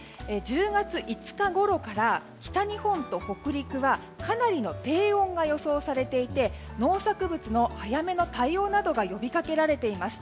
１０月５日ごろから北日本と北陸はかなりの低温が予想されていて農作物の早めの対応などが呼びかけられています。